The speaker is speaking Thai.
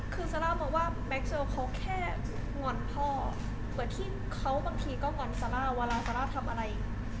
คือซาร่ามองว่าแม็กเซลเขาแค่งอนพ่อเหมือนที่เขาบางทีก็งอนซาร่าเวลาซาร่าทำอะไร